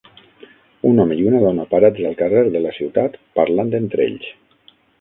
Un home i una dona parats al carrer de la ciutat parlant entre ells.